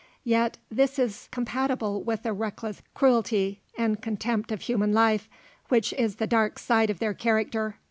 Yet this is compatible with a reckless cruelty and contempt of human life, which is the dark side of their character.